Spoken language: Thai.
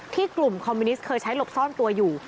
กลุ่มคอมมิวนิสต์เคยใช้หลบซ่อนตัวอยู่